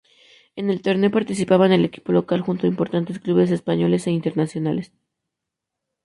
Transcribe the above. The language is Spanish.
En el torneo participaban, el equipo local junto a importantes clubes españoles e internacionales.